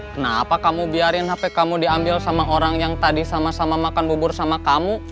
kenapa kamu biarin hp kamu diambil sama orang yang tadi sama sama makan bubur sama kamu